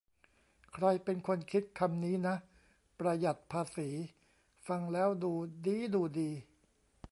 ใครเป็นคนคิดคำนี้นะ "ประหยัดภาษี" ฟังแล้วดูดี๊ดูดี